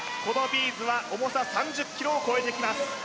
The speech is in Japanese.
このビーズは重さ３０ｋｇを超えてきます